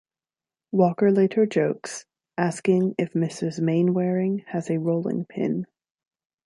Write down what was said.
Walker later jokes, asking if Mrs Mainwaring has a rolling pin.